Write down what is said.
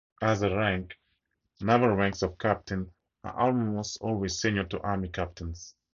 As a rank, naval ranks of captain are almost always senior to army captains.